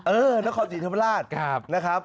เออนครจีนธรรมราชนะครับ